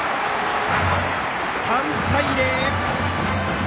３対０！